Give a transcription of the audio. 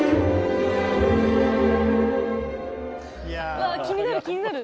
うわ気になる気になる。